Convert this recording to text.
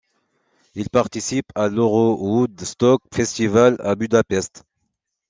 Ils participent à l'Eurowoodstock Festival à Budapest.